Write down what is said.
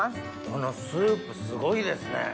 このスープすごいですね。